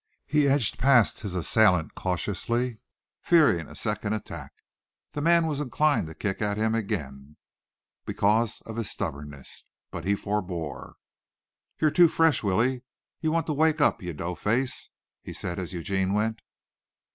He edged past his assailant cautiously, fearing a second attack. The man was inclined to kick at him again because of his stubbornness, but forebore. "You're too fresh, Willie. You want to wake up, you dough face," he said as Eugene went.